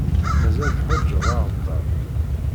Mazal teḥwaǧeḍ areṭṭal?